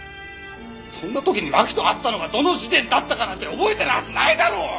そんな時に麻紀と会ったのがどの時点だったかなんて覚えてるはずないだろ！